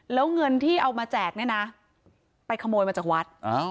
แล้วเงินที่เอามาแจกเนี่ยนะไปขโมยมาจากวัด